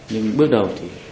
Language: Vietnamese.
nhưng bước đầu thì